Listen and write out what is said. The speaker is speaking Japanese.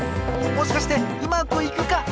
もしかしてうまくいくか！？